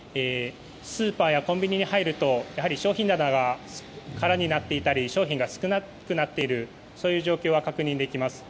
スーパーやコンビニに入ると商品棚が空になっていたり商品が少なくなっている状況は確認できます。